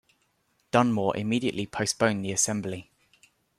Dunmore immediately postponed the Assembly.